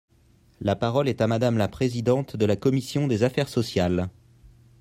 La parole est à Madame la présidente de la commission des affaires sociales.